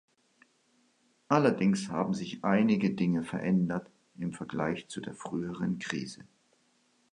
Allerdings haben sich einige Dinge verändert im Vergleich zu der früheren Krise.